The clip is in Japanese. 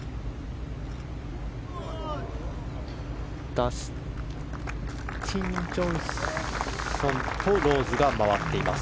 ダスティン・ジョンソンとローズが回っています。